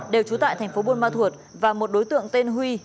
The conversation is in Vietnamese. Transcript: đều trú tại thành phố buôn ma thuột và một đối tượng tên huy